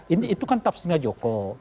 itu kan tafsirnya joko